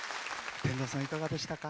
天童さん、いかがでしたか？